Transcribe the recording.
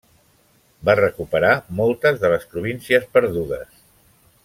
Va recuperar moltes de les províncies perdudes.